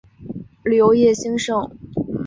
旅游业兴盛。